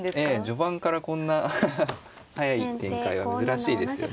序盤からこんな速い展開は珍しいですよね。